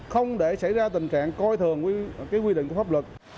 không để xảy ra tình trạng coi thường quy định của pháp luật